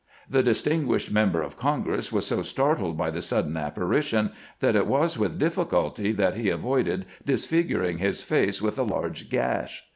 The distinguished member of Congress was so startled by the sudden apparition that it was with difficulty that he avoided disfiguring his face with a large gash.